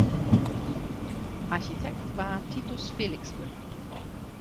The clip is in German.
Architekt war Titus Felixmüller.